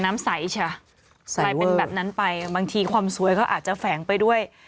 น้ำใสใช่กลายเป็นแบบนั้นไปบางทีความสวยก็อาจจะแฝงไปด้วย